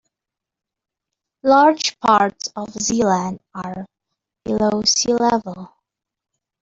Large parts of Zeeland are below sea level.